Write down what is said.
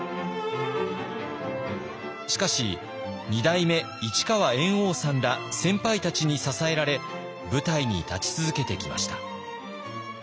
しかし二代目市川猿翁さんら先輩たちに支えられ舞台に立ち続けてきました。